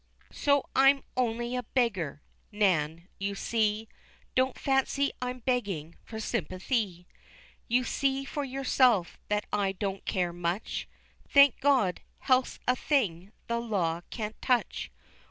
So I'm only a beggar, Nan, you see Don't fancy I'm begging for sympathy, You see for yourself that I don't care much Thank God, health's a thing the law can't touch!